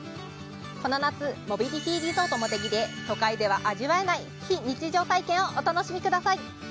この夏モビリティリゾートもてぎで都会では味わえない非日常体験をお楽しみください。